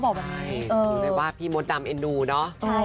อยู่ในว่าพี่มดดำเอ็นดูเนาะ